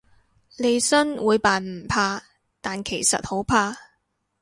利申會扮唔怕，但其實好怕